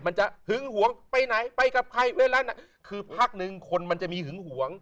มันจะหึงห่วงไปไหนไปกับใครคือพักนึงคนมันจะมีหึงห่วง